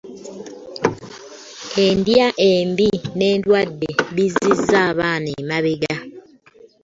Endya embi n'endwadde bizzizza abaana emabega